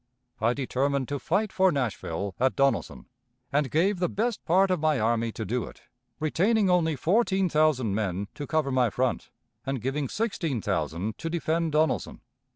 I determined to fight for Nashville at Donelson, and gave the best part of my army to do it, retaining only fourteen thousand men to cover my front, and giving sixteen thousand to defend Donelson.